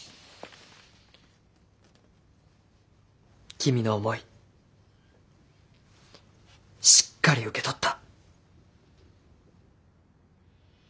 君の思いしっかり受け取った。